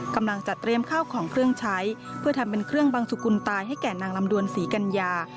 กำลังจัดเตรียมข้าวของเครื่องใช้เพื่อทำเป็นเครื่องบังสุกุลตายให้แก่นางลำดวนศรีกัญญา